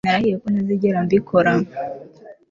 Narahiye ko ntazigera mbikora